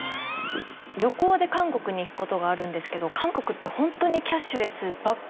旅行で韓国に行く事があるんですけど韓国ってホントにキャッシュレスばっかなんですよ。